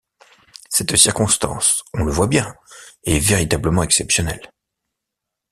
Cette circonstance, on le voit bien, est véritablement exceptionnelle.